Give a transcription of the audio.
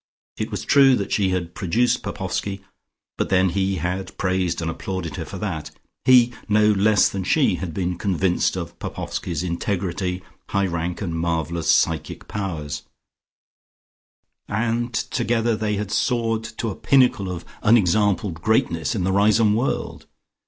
It was true that she had produced Popoffski, but then he had praised and applauded her for that; he, no less than she, had been convinced of Popoffski's integrity, high rank and marvellous psychic powers, and together they had soared to a pinnacle of unexampled greatness in the Riseholme world.